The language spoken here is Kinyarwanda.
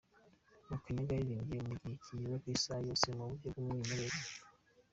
Makanyaga yaririmbye mu gihe kigera ku isaha yose mu buryo bw’umwimerere.